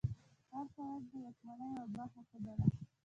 هر سند د واکمنۍ یوه برخه ښودله.